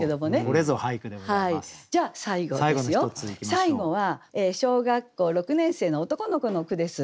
最後は小学校６年生の男の子の句です。